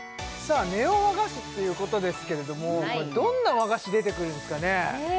ネオ和菓子っていうことですけどこれどんな和菓子出てくるんすかね？